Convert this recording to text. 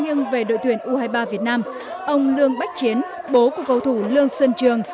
u hai mươi ba việt nam ông lương bách chiến bố của cầu thủ lương xuân trường